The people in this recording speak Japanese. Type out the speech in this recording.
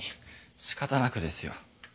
仕方なくですよ。